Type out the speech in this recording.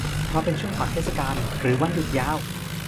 เพราะเป็นช่วงก่อนเทศกาลหรือวันหยุดยาว